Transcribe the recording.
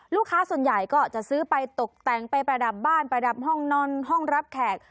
ลูกค้าส่วนใหญ่ก็จะซื้อไปตกแต่งไปประดับบ้านประดับห้องนอนห้องรับแขก